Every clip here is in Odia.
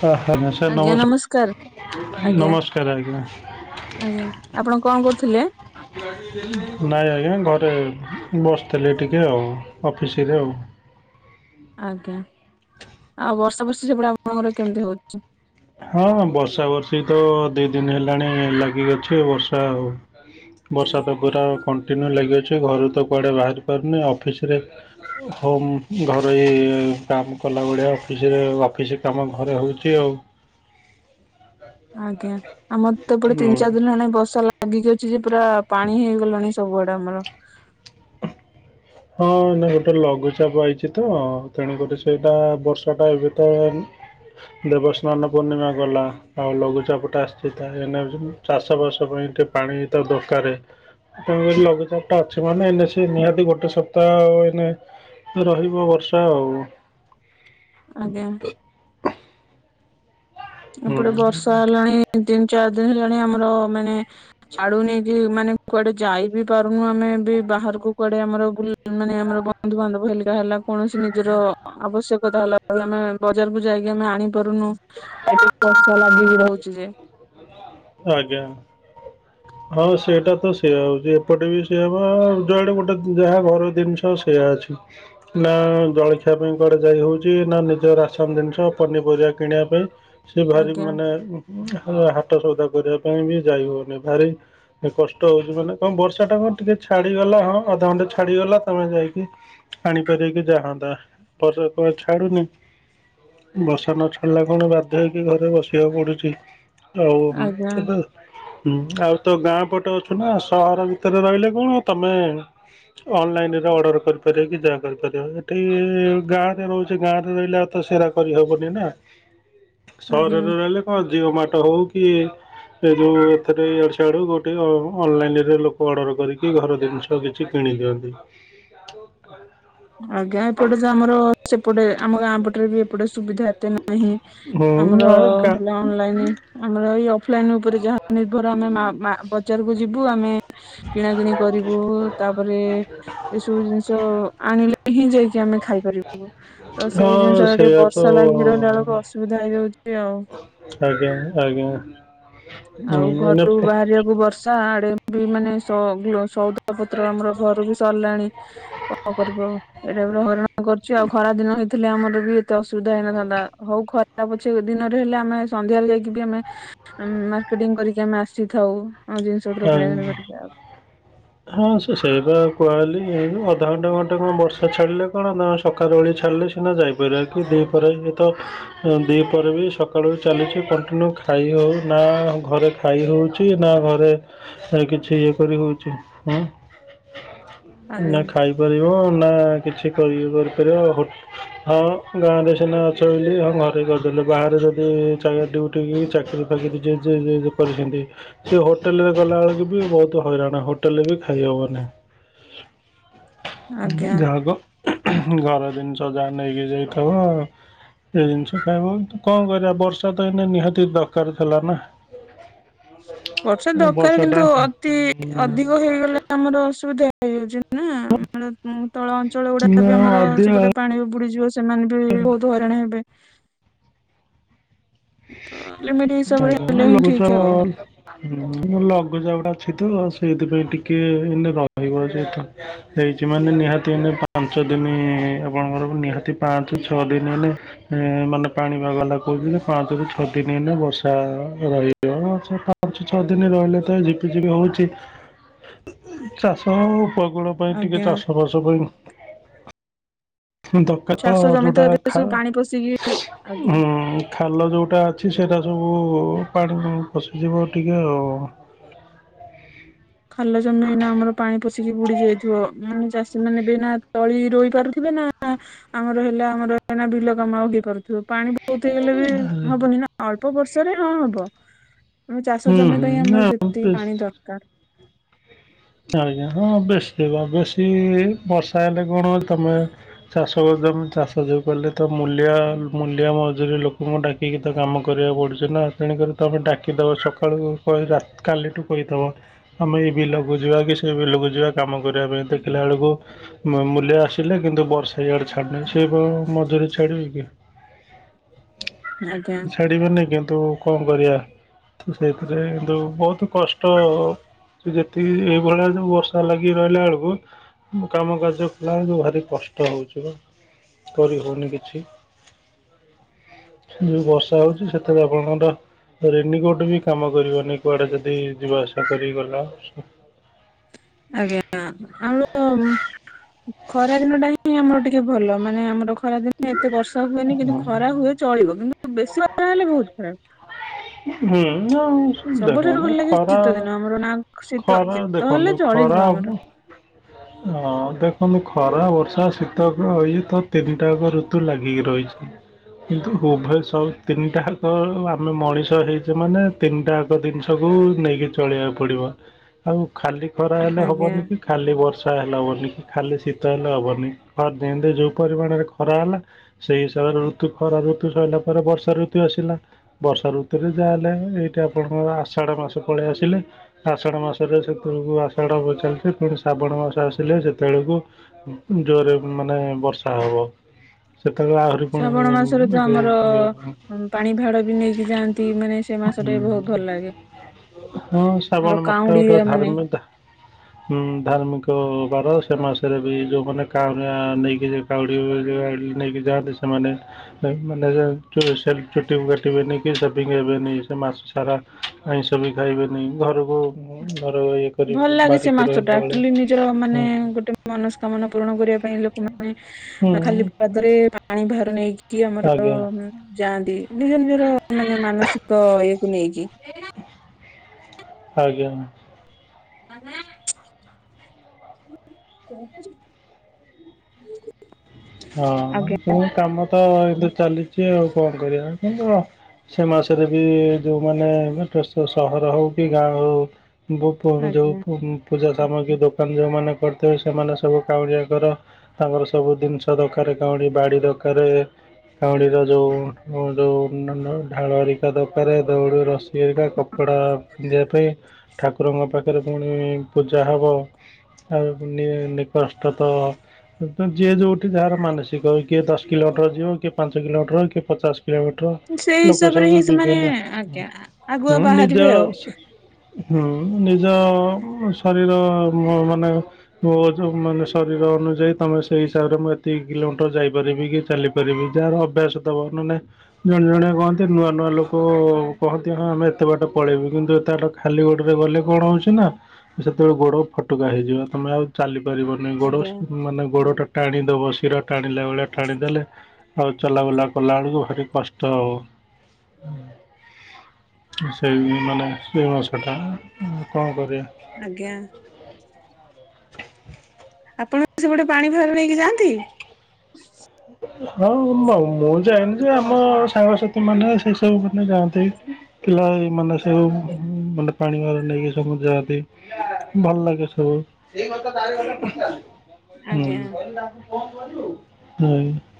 ହ ହ ସାର୍ ଆଜ୍ଞା ନମସ୍ ନମସ୍କାର ଆଜ୍ଞା ନମସ୍କାର ଆଜ୍ଞା। ଆଜ୍ଞା ଆପଣ କଣ କରୁଥିଲେ? ନାଇଁ ଆଜ୍ଞା ଘରେ ବସିଥିଲି ଟିକେ ଆଉ ଅଫିସରେ ଆଉ। ଆଜ୍ଞା ଆଉ ବର୍ଷା ବର୍ଷେ ସେପଟା ଆପଣଙ୍କର କେମିତି ହଉଛି? ହଁ ବର୍ଷା ବର୍ଷି ତ ଦି ଦିନ ହେଲାଣି ଲାଗି ଅଛି ବର୍ଷା ଆଉ। ବର୍ଷାଟ ପୁରା କଣ୍ଟିନ୍ୟୁ ଲାଗିଅଛି ଘରୁ ତ କୁଆଡ଼େ ବାହାରି ପାରୁନି ଅଫିସରେ ହୋମ୍ ଘରେଇ କାମ କଲା ଭଳିଆ ଅଫିସରେ ଅଫିସ୍ କାମ ଘରେ ହେଉଛି ଆଉ। ଆଜ୍ଞା ଆମତ ଏପତେ ହୁଁ। ତିିନି ଚାରି ଦିନ ହେଲାଣି ବସା ଲା ଲାଗିକି ଅଛି ଯେ ପୁରା ପାଣି ହେଇଗଲାଣି ସବୁଆଡେ ଆମର। ହଁ ନା ଗୋଟେ ଲଘୁଚାପ ହେଇଛି ତ ତେଣୁକରି ସେଇଟା ବର୍ଷା ଟା ଏବେ ତ ଦେବସ୍ନାନ ପୂର୍ଣ୍ଣିମା ଗଲା। ଆଉ ଲଘୁଚାପ ଟା ଆସିଛି ତା ଏ ଚାଷ ବାସ ପାଇଁ ଟିକେ ପାଣି ତ ଦରକାର। [unintelligible] ଲଘୁଚାପଟା ଅଛି ମାନେ ଏଇନା ସେ ନିହାତି ଗୋ ସବ ତ ଏନେ ରହିବ ବର୍ଷା ଆଉ। ଆଜ୍ଞା। ହୁଁ ଏପଟେ ବର୍ଷା ହେଲାଣି ତିନି ଚାରି ଦିନ ହେଲାଣି ଆମର ମାନେ ଛାଡୁନି ଯେ ମାନେ କୁଆଡେ ଯାଇ ବିି ପାରୁନୁ ଆମେ ବି ବାହାରକୁ କୁଆଡେ ଆମର ବୁ ମାନେ ଆମର ବନ୍ଧୁବାନ୍ଧବ ହେଲିକା ହେଲା କୌଣସି ନିଜର ଆବଶ୍ୟକତା ହେଲା [unintelligible] ଆମେ ବଜାରକୁ ଯାଇକି ଆମେ ଆଣିପାରୁନୁ। ଏତେ [unintelligible] ଲାଗିକି ରହୁଛି ଯେ। ଆଜ୍ଞା। ହଁ ସେଇଟା ତ ସେଇଆ ହଉଛି ଏପଟେ ବି ସେଇଆ ହବ ଯୁଆଡେ ଗୋଟେ ଯାହା ଘର ଜିନିଷ ସେଇୟା ଅଛି। ନା ଜଳଖିଆ ପାଇଁ କୁଆଡେ ଯାଇ ହଉଛି ନା ନିଜ ରାସନ ଜିନିଷ ପନିପରିବା କିଣିବା ପାଇଁ। ସେ ଭାରି ଆଜ୍ଞା ମାନେ ହାଟ ସଉଦା କରିବା ପାଇଁ ବି ଯାଇ ହଉନି ଭାରି କଷ୍ଟ ହଉଛି ମାନେ କଣ ବର୍ଷା ଟା କଣ ଟିକେ ଛାଡିଗଲା ହଁ ଅଧଘଣ୍ଟା ଛାଡିଗଲା ତମେ ଯାଇକି ଆଣିପାରିବେ କି ଯାହାନ୍ତା ବର୍ଷା [unintelligible] ଛାଡୁନି। ବର୍ଷା ନ ଛଡିଲା କଣ ବାଧ୍ୟ ହେଇକି ଘରେ ବସିବାକୁ ପଡୁଛି। ହଉ ଆଜ୍ଞା ସେ ହୁଁ ଆଉ ତ ଗାଁ ପଟେ ଅଛୁ ନା ସହର ଭିତରେ ରହିଲେ କଣ ତମେ ଅନଲାଇନରେ ଅର୍ଡ଼ର କରିପାରିବେ କି ଯା କରିପାରିବ ଏଠି ଗାଁରେ ରହୁଛି ଗାଁରେ ରହିଲା ତ ସେଇରା କରିହବନି ନା। ହଁ ସହରରେ ରହିଲେ କଣ ଜିଅ ମାଟ ହଉ କି ଏ ଯୋଉ ଏଥରେ ଅ ସେଡୁ ଗୋଟେ ଅ ଅନଲାଇନରେ ଲୋକ ଅର୍ଡର କରିକି ଘର ଜିନିଷ କିଛି କିଣି ଦିଅନ୍ତି। କ ଆଜ୍ଞା ଏପଟେ ତ ଆମର ସେପଟେ ଆମ ଗାଁ ପଟରେ ବି ଟେ ସୁବିଧା ଏତେ ନାହିଁ ଆମର ହୁଁ ଆଉ ଗା ହେଲା ଅନଲାଇନ ଆମର ଏ ଅଫଲାଇନ ଉପରେ ଯାହା ନିର୍ଭର ଆମେ ବଜାରକୁ ଯିବୁ ଆମେ କିଣା କିିଣି କରିବୁ ତାପରେ ଏସବୁ ଜିନିଷ ଆଣିଲେ ହିଁ ଯାଇକି ଆମେ ଖାଇପାରିବୁ ତ ସେଇ ହଁ ଜିନିଷ ଟିକେ ସେଇଆ ତ ବର୍ଷା ଲାଗିକି ରହିଲା ବେଳକୁ ଅସୁବିଧା ହେଇଯାଉଛି ଆଉ ଆଜ୍ଞା ଆଜ୍ଞା ହୁଁ ଆଉ ଏଇନା ଘରୁ ପୁ ବାହାରିବାକୁ ବର୍ଷା ସ ଆଡେ ବି ମାନେ ସ ସଉଦା ପତ୍ର ଆମର ଘର ବି ସରିଲାଣି କଣ କରିବୁ ଏଇଟା ପୁର ହରଣ କରୁଛି ଆଉ ଖରା ଦିନ ହେଇଥିଲେ ଆମର ବି ଏତେ ଅସୁବିଧା ହେଇନଥାନ୍ତା ହଉରା ତା ପଛେ ଦିନରେ ହେଲେ ଆମେ ସନ୍ଧ୍ୟାରେ ଯାଇକି ବି ଆମେ କରିକି ଆମେ ଆସିଥାଉ ପତ୍ର ହୁଁ କିଣାକିଣି କରିକି ଆଉ ହଁ ସେ ସେଇଟ କୁହାହେଲି ଅଧଘଣ୍ଟା ଘଣ୍ଟେ କଣ ବର୍ଷା ଛାଡ଼ିଲେ କଣ ନା ସକାଳୁଳି ଛାଡ଼ିଲେ ସେ ଯାଇପାର କିି ଦୁଇପ ଯେତ ଦୁଇ ପରେ ବି ସକାଳୁ ଚାଲିଛି କଣ୍ଟିନ୍ୟୁ ଖାଇ ହେଉ ନା ଘରେ ଖାଇ ହଉଛି ନା ଘରେ କିଛି ଇଏ କରି ହଉଛି ହୁଁ ନା ଆଜ୍ଞା ଖାଇପାରିବ ନା କିଛି କରି କରିପାରିବ ହଁ ଗାଁ ରେ ସିନା ଅଛ ବୋଲିଲି ହଁ ଘରେ କରିଦେଲେ ବାହାରେ ଯଦି ଡ ଚାକିରୀ ଫକିରି କରିଛନ୍ତି ସେ ହୋଟେଲ ରେ ଗଲାବେଳ ବି ବହୁତ ହଇରାଣ ହୋଟେଲରେ ବି ଖାଇହବ ମନ ଆଜ୍ଞା ଯାହାକ ଘର ଜିନିଷ ଯାହା ନେଇକି ଯାଇଥିବ ଏଇ ଜିନିଷ କାଇଁ କଣ କରିବା ବର୍ଷା ତ ଏଇ ନିହାତି ଦରକାର ଥିଲା ନା ବର୍ଷା ଦରକାର କିନ୍ତୁ ବର୍ଷାଟା ଅତି ଅଧିକ ହେଇଗଲା ଆମର ଅସୁବିଧା ଇଯାଉଛନ୍ତି ନା ଆମ ତଳ ଅଞ୍ଚଳ ଗୁଡା ବି ଆମର ଅଧିକା ସେପଟେ ପାଣି ବୁଡିଯିବ ସେମାନେ ବହୁତ ହରଣ ହେବେ ତ ଲିମିଟ ହିସାବରେ ହେଲେ ହିଁ ଲଗୁଛ ଠିକ ଆଉ ହୁଁ ଲଘୁଚା ଗୁଟା ଅଛି ତ ସେଇଥିପାଇଁ ଟିକେ ଏନ ରହିବ ଯେତ ହେଇଛି ମାନେ ନିହାତି ଏେ ପାଞ୍ଚ ଦିନ ଆପଣଙ୍କର ନିହାତି ପାଞ୍ଚ ଛଅ ଦିନ ହେେ ଏ ମାନେ ପାଣି ବାାଗଲା କହୁଥିଲେ ପାଞ୍ଚରୁ ଛ ଛଅ ଦିନି ଏଇନା ବର୍ଷା ରହିବ ପାଞ୍ଚ ଛଅ ଦିନ ରହିଲେ ତ ଝିପିଝିପି ହଉଛି। [unintelligible] ଚାଷ ଉପକୂଳ ପାଇଁ ଟିକେ ଆଜ୍ଞା ଚାଷବାସ ପାଇଁ। ଦକା ତଳ ଚାଷ ଜମି ହଦ ଟା ତ ଏବେ ଖା ସବୁ ପାଣି ପଶିକି ଆଜ୍ଞା ହୁଁ ଉଁ ଖାଲ ଯଉଟା ଅଛି ସେଇଟା ସବୁ ପାଣି ପଶିଯିବ ଟିକେ ଆଉ। ଖାଲ ଜମି ଏଇନା ଆମର ପାଣି ପଷିକି ବୁଡି ଯାଇଥିବ ମାନେ ଚାଷୀ ମାନେ ଏବେ ନା ତଳି ରୋଇପାରୁ ଇବେ ନା ନା ଆମର ହେଲା ଆମର ବିଲ କାମ ହେଇପାରୁଥିବ ପାଣି ବହୁତୁ ବିଲରେ ହବନି ନା। ଅଳ୍ପ ବର୍ଷରେ ହଁ ହବ ଉଁ ଚାଷ ହୁଁ, ଜମି ପାଇଁ ହୁଁ ଆମର ଆ ଯେତିକି ପାଣି ବେଶ ଦରକାର ଆଜ୍ଞା ହଁ ବେଶୀ କଣ ବେଶୀ ବର୍ଷା ହେଲେ କଣ ତମେ ଚାଷ କରିତେ ଆପଣ ଚାଷ ଯୋଉ କଲେ ତ ମୂଲିଆ ମୂଲିଆ ମଜୁରରି ଲୋକଙ୍କୁ ଡାକି ଠିକ୍ ତ କାମ କରିବାକୁ ପଡୁଛି ନା ତେଣୁକରି ତମେ ଡାକିଦବ ସକାଳୁ କହି କାଲିଠୁ କହିଦବ ଆମେ ଏଇ ବିଲକୁ ବୁଝିଲ କି ସେ ବିଲକୁ ଯିବା କାମ କରିବା ପାଇଁ ଦେଖିଲାବେଳକୁ ମୁ ମୂଲିଆ ଆସିଲେ କିନ୍ତୁ ବର୍ଷା ଇଆଡେ ଛାଡୁନେଇ ସେ କଣ ମଜୁରୀ ଛାଡିବେ କି? ଆଜ୍ଞା ଛାଡ଼ିବନି କିନ୍ତୁ କଣ କରିବା? ସେଇଥିରେ କିନ୍ତୁ ବହୁତୁ କଷ୍ଟ ଯେ ଏଇଭଳିଆ ଯୋଉ ବର୍ଷା ଲାଗି ରହିଲା ବେଳକୁ ହୁଁ କାମ କାର୍ଯ୍ୟ କଲାବେଳକୁ ଭାରି କଷ୍ଟ ହଉଛି ପା। କରିହଉନି କିଛି। [unintelligible] ଛି ଯୋଉ ବର୍ଷା ହଉଛି ସେଥିରେ ଆପଣଙ୍କର ରେନିକୋର୍ଟ ବି କାମ କରିବନି କୁଆଡେ ଯଦି ଯିବା ଆସିବା କରି ଗଲ। ଆଜ୍ଞା ଆଉ ଖରା ଦିନ ଟା ହିଁ ଆମର ଟିକେ ଭଲ ମାନେ ଆମର ଖରା ଦିନେ ଏତେ ବର୍ଷା ହୁଏନି କିନ୍ତୁ ଖରା ହୁଏ ଚଳିବ କିନ୍ତୁ ବେଶୀ ବର୍ଷା ହେଲେ ବହୁତ ଖରାପ। ହୁଁ ଆଉ ସବୁଠାରୁ ଭଲ ଦେଖନ୍ତୁ ଲାଗେ ଖରା ଶୀତ ଦିନ ଆମର ନା ଶୀତ ଖରା ଶୀତ ହେଲେ ଦେଖନ୍ତୁ ଚଳିଯିବ ଖରା ଆମର ଅବ ହଁ ଦେଖନ୍ତୁ ଖରା ବର୍ଷା ଶୀତ କୁ ଇଏତ ତିନି ଟାକ ଋତୁ ଲାଗିକି ରହିଛି କିନ୍ତୁ ଉଭୟ ସହୁ ତିନିଟାହାଙ୍କ ଆମେ ମଣିଷ ହେଇଛେ ମାନେ ତିନିଟାକ ଜିନିଷକୁୁ ନେଇକି ଚଳିବାକୁ ପଡିବ ଆଉ ଖାଲି ଖରା ହେଲେ ଆଜ୍ଞା। ହବନି କି ଖାଲି ବର୍ଷା ହେଲେ ହବନି, କି ଖାଲି ଶୀତ ହେଲେ ହବନି, ହଁ ଯେମିତି ଯୋଉ ପରିମାଣରେ ଖ ଖରା ହେଲା ସେଇ ହିସାବରେ ଋତୁ ଖରା ଋତୁ ସଇଲା ପରେ ବର୍ଷା ଋତୁ ଆସିଲା। ବର୍ଷା ଋତୁରେ ଯାହା ହେଲେ ଏଇଟି ଆପଣଙ୍କର ଆଷାଢ ମାସ ପଳେଇ ଆସିଲେ। ଆଷାଢ଼ ମାସରେ ସେତବେଳକୁ ଆଷାଢ ପ ଚାଲିଥିବ ପୁଣି ଶ୍ରାବଣ ମାସ ଆସିଲେ ସେତେବେଳକୁ ଜୋରରେ ମାନେ ବର୍ଷା ହବ। ସେତେବେଳେ ଆ ହୁରି ପୁଣି ଶ୍ରାବଣ ଏ ମାସରେ ତ ଯଉ ଆମର ଇଏ ପାଣି ଭାଡ ବି ନେଇକି ଯାଆନ୍ତି ମାନେ ସେ [inaudible] ମାସଟା ହୁଁ ବି ବହୁତ ଭଲ ଲାଗେ ହୁଁ ଆମର ଶ୍ରାବଣ ମାସଟା ଗୋଟେ କାଉଁଡିଆ ମାନେ ଧାର୍ମିକ। [unintelligible] ହୁଁ ଧାର୍ମିକ ବାର ସେ ମାସରେ ବି ଯୋଉମାନେ କାଉଁରିଆ ନେଇକିରି କାଉଡି ବିଲବାଡ଼ି ରୁ ନେଇକି ଯାଆନ୍ତି ସେମାନେ। ନାଇଁ ମାନେ ଯା ଚୁ ସେଲ୍ ଚୁଟି କାଟିବେନି କି ସେଭିଙ୍ଗ୍ ହେବେନି ସେ ମାସ ସାରା। ଆଇଁଷ ବି ଖାଇବେନି ଘରକୁ ଘର ଇଏ କରି ଭଲ ଲାଗେ ସେ ବାରିକି ମାସ ଟା ରହିଲା ବେଳେ ଆକ୍ଚୁଲି ନିଜର ମାନେ ଗୋଟେ ମନସ୍କାମନା ପୂରଣ କରିବା ପାଇଁ ଲୋକମାନେ ବା ହୁଁ ଖାଲି ପାଦରେ ପାଣି ଭାର ନେଇକି କି ଆମର ଆଜ୍ଞା ଯାଆନ୍ତି ନିଜ ନିଜର ମାନେ ମାନସିକ ଇଏକୁ ନେଇକି ଆଜ୍ଞା ମା ଆଜ୍ଞା ହଁ କାମ ତ ଏବେ ଚାଲିଛି ଆଉ କଣ କରିବା କିନ୍ତୁ ସେ ମାସରେ ବି ଯୋଉମାନେ [inaudible] ସହର ହଉ କି ଗାଁ ହଉ [inaudible] ଯୋଉ ଆଜ୍ଞା। [inaudible] ପୂଜା ସାମଗ୍ରୀ ଦୋକାନ ଯୋଉମାନେ କରିଥିବେ ସେମାନେ ସବୁ କାଉଡିଆ କର ତାଙ୍କର ସବୁ ଜିନିଷ [inaudible] ଦରକାର କାଉଡି ବାଡି ଦରକାର। କାଉଡିର ଯୋଉଁ ଯୋଉଁ ନ ଢାଳ ହେରିକା ଦରକାର ଦଉଡି ର [inaudible] କପଡା ପିନ୍ଧିବା ପାଇଁ ଠାକୁରଙ୍କ ପାଖରେ ପୁଣି ପୂଜା ହବ। ଆଉ ନି ନିକଷ୍ଟ ତ ତ ଯିଏ ଯୋଉ ଯାହାର ମାନସିକ କିଏ ଦଶ କିଲୋମିଟର ଯିବ କିଏ ପାଞ୍ଚ କିଲୋମିଟର କିଏ ପଚାଶ ପୂଜା ପାଠ ସେଇ ଲୋକ ହିସାବରେ ହିଁ ସବୁ ସେମାନେ ଯିବେନା ଆଜ୍ଞା ଆଗୁଆ ହଁ ବାହାରିବେ ନିଜ ଆଉ ହୁଁ ନିଜ ଶରୀର ମ ମାନେ ମୋ ଗଛ ମାନେ ଶରୀର ଅନୁଯାୟୀ ତମେ ସେଇ ହିସାବରେ ମା ଏତିକି କିଲୋମିଟର ଯାଇପାରିବି କି ଚାଲିପାରିବି ଯାହାର ଅଭ୍ୟାସ ଥବ ନନେ ଜଣେ ଜଣେ କହନ୍ତି। [inaudible] ନୂଆ ନୂଆ ଲୋକ କହନ୍ତି ହଁ ଆମେ ଏତେବାଟ ପଳେଇବୁ କିନ୍ତୁ ଏତେ ବାଟ ଖାଲି ଗୋଡ଼ରେ ଗଲେ କଣ ହେଉଛି ନା ସେତେବେଳେ ଗୋଡ ଫଟକା ହେଇଯିବ। ତମେ ଆଉ ଚାଲି ପାରିବନି। ଗୋଡ ଆଜ୍ଞା। ମାନେ ଗୋଡ ଟା ଟାଣିଦବ। ଶିର ଟାଣିଲା ଭଳିଆ ଟାଣିଦେଲେ ଆଉ ଚଲାବୁଲା କଲା ବେଳକୁ ଭାରି କଷ୍ଟ ହଉ ସେଇ ମାନେ ସେଇ ମାସଟା କଣ କରିବା। ଆଜ୍ଞା ଆପଣ ସେପଟେ ପାଣିଭାର ନେଇକି ଯାଆନ୍ତି? ହଁ ମ ମୁଁ ଯାଇନି ଯେ ଆମ ସାଙ୍ଗସାଥି ମାନେ ସେ ସବୁ ମନେ ଯାଆନ୍ତି ପିଲା ଏ ମାନ ଯୋଉ ମାନେ ପାଣି ଭାର ନେଇକି ସବୁ ଯାଆନ୍ତି ଭଲ ଲାଗେ ସବୁ ଆଜ୍ଞା। [inaudible]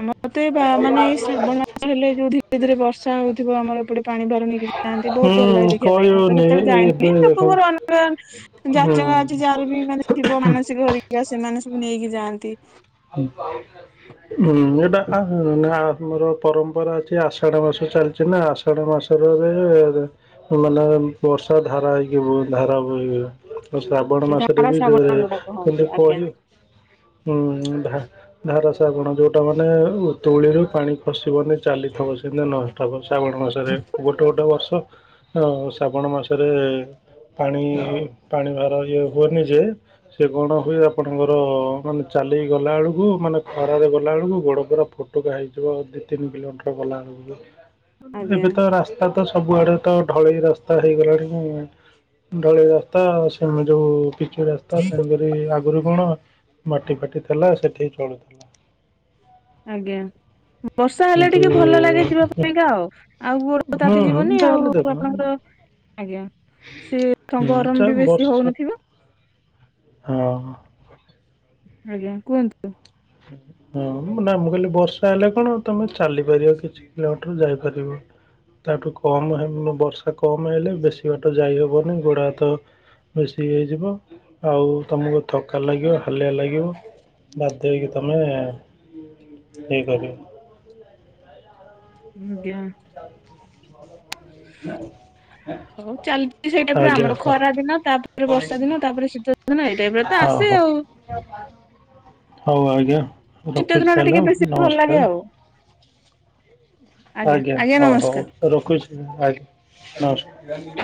ଆମର ତ ଏଇ ବା ମାନେ ଏଇ ଶ୍ରାବଣ ମାସ ହେଲେ ଯୋଉ ଧୀରେ ଧୀରେ ବର୍ଷା ହଉଥିବ ଆମର ଏପଟେ ପାଣି ବାହାର ନେଇକି ଯାଆନ୍ତି ବହୁତ ଭଲ ଲାଗେ ହୁଁ ଦେଖିବା ପାଇଁ ମୁଁ ତ କହିବନି କେତେବେଳେ ଯାଇନି ଏବେ ଲୋକଙ୍କର ଅନେ [inaudible] ଯାଚନା ହୁଁ। ଅଛି ଯାହାର ବି ମାନେ ଥିବ ମାନସିକ ହରିକା ସେମାନେ ସବୁ ନେଇକି ଯାଆନ୍ତି। [inaudible] ହୁଁ ଏଇଟା ଆ ଆମର ପରମ୍ପରା ଅଛି ଆଷାଢ ମାସ ଚାଲିଛି ନା ଆଷାଢ ମାସରେ ମାନେ ବର୍ଷା ଧାରା ହେଇକି ଧାରା ବହିବ। ଶ୍ରାବଣ ମାସରେ ଧାରା ବି ଶ୍ରାବଣ ଯୋଉ ଯୋଉଟା କହନ୍ତି କେମିତି ଆଜ୍ଞା କହିବୁ ହୁଁ ଭା ଧାରା ଶାବଣ ଯୋଉଟା ମାନେ ତୁଳିରୁ ପାଣି ଖସିବନି ଚାଲିଥବ ସେମତି ନଷ୍ଟପ ଶାବଣ ମାସ ରେ ଗୋଟେ ଗୋଟେ ବର୍ଷ ଶ୍ରାବଣ ମାସରେ ପାଣି ପାଣି ଭାର ଇଏ ହୁଏନି ଯେ ସେ କଣ ହୁଏ ଆପଣଙ୍କର ମାନେ ଚାଲିି ଗଲା ବେଳକୁ ମାନେ ଖରାରେ ଗଲା ବେଳକୁ ଗୋଡ ପୁରା ଫୋଟକା ହେଇଯିବ ଦି ତିନି କିଲୋମିଟର ଗଲା ବେଳକୁ। ଆଜ୍ଞା ଏବେ ତ ରାସ୍ତା ତ ସବୁଆଡେ ତ ଢଳେଇ ରାସ୍ତା ହେଇଗଲାଣି। ଢଳେଇ ରାସ୍ତା ସେମ ଯୋଉ ପିଚୁ ରାସ୍ତା ତ ତେଣୁକରି ଆଗରୁ କଣ ମାଟି ଫାଟି ଥିଲା ସେଠି ଚଳୁଥିଲା। ଆଜ୍ଞା। ବର୍ଷା ହେଲେ କିନ୍ତୁ ଟିକେ ଭଲ ଲାଗେ ଯିବା ପାଇଁକା ଆଉ ଆଉ ଗୋଡ ହୁଁ ତାତି ହୁଁ ଯିବନି ଆଉ ଯାହାହେଲେ ଦେଖ ଆପଣଙ୍କର ହୁଁ ଆଜ୍ଞା ସିଏ ଠଙ୍ଗ ଗରମ ଯା ବି ବେଶୀ ବର୍ଷା ହଉନଥିବ ହଁ। ଆଜ୍ଞା କୁହନ୍ତୁ। ହଁ ନା ମୁଁ କହିଲି ବର୍ଷା ହେଲେ କଣ ତମେ ଚାଲିପାରିବ କିଛି କିଲୋମିଟର ଯାଇ ପାରିବ। ତାଠୁ କମ ହେ ବର୍ଷା କମ ହେଲେ ବେଶୀ ବାଟ ଯାଇହବନି ଗୋଡହାତ ବେଶୀ ହେଇଯିବ ଆଉ ତୁମକୁ ଥକା ଲାଗିବ ହାଲିଆ ଲାଗିବ ଯାଇକି ତମେ ଇ କରିବ। ଆଜ୍ଞା ହଉ ଚାଲିଛି ସେଇ ଟାଇପରେ ଆଜ୍ଞା ଆମର ହଁ ଖରା ଦିନ ତାପରେ ବର୍ଷା ଦିନ ହଁ ତାପରେ ଶୀତ ଦିନ ଏଇ ଟାଇପରେ ତ ଆସେ ହଉ ଆଉ। ହଉ ଆଜ୍ଞା ଶୀତ ରଖୁଛି ଦିନ ଟା ତାହେଲେ ଟିକେ ଆଉ ବେଶୀ ଭଲ ଲାଗେ ନମସ୍କାର। ଆଉ ଆଜ୍ଞା ହଉ ହଉ ରଖୁଛି ଆଜ୍ଞା ନମସ୍କାର।